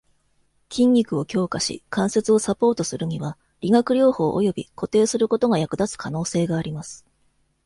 筋肉を強化し、関節をサポートするには理学療法および固定することが役立つ可能性があります。